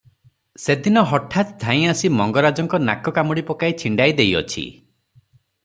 ସେ ଦିନ ହଠାତ୍ ଧାଇଁଆସି ମଙ୍ଗରାଜଙ୍କ ନାକ କାମୁଡ଼ି ପକାଇ ଛିଣ୍ତାଇ ଦେଇଅଛି ।